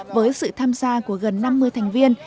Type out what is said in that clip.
với sự tham gia của gần năm mươi thành viên